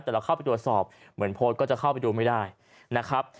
แต่เราเข้าไปตรวจสอบเหมือนโพสต์ก็จะเข้าไปดูไม่ได้นะครับ